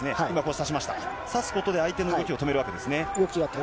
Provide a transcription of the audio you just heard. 差すことで相手の動きを止めるわけですね。